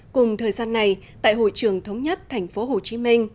cùng thời gian này tại hội trường thống nhất tp hcm